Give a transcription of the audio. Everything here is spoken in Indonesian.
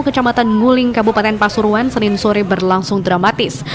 di kecamatan nguling kabupaten pasuruan senin suri berlangsung dramatis